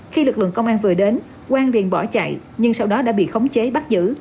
khi lực lượng công an vừa đến quang liền bỏ chạy nhưng sau đó đã bị khống chế bắt giữ